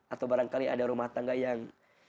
atau barangkali ada rumah tangga yang